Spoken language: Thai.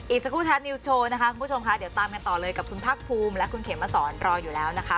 อีกสักครู่แท็ตนิวส์โชว์นะคะคุณผู้ชมค่ะเดี๋ยวตามกันต่อเลยกับคุณภาคภูมิและคุณเขมมาสอนรออยู่แล้วนะคะ